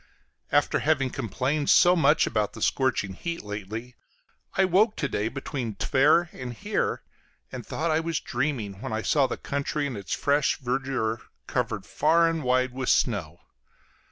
After having complained so much about the scorching heat lately, I woke to day between Twer and here, and thought I was dreaming when I saw the country and its fresh verdure covered far and wide with snow.